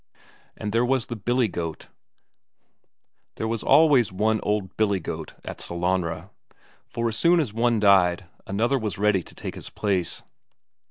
And there was the billy goat, there was always one old billy goat at Sellanraa, for as soon as one died another was ready to take his place.